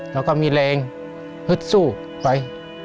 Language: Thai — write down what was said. เราก็มีแรงฮึดสู้ไป